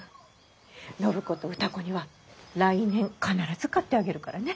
暢子と歌子には来年必ず買ってあげるからね。